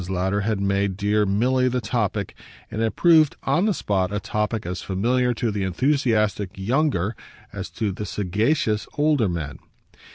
Lowder had made dear Milly the topic, and it proved, on the spot, a topic as familiar to the enthusiastic younger as to the sagacious older man.